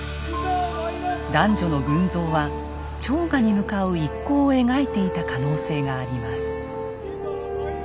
男女の群像は朝賀に向かう一行を描いていた可能性があります。